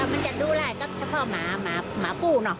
มันจะดูหลายก็เฉพาะหมาผู้น่ะ